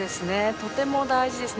とても大事ですね。